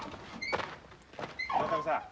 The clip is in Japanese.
村上さん。